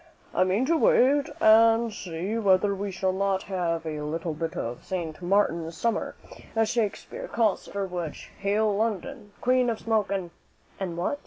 I mean to wait and see whether we shall not have a little bit of St. Martin's summer, as Shakspere calls it; after which, hail London, queen of smoke and " "And what?"